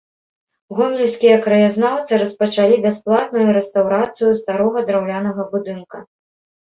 Гомельскія краязнаўцы распачалі бясплатную рэстаўрацыю старога драўлянага будынка.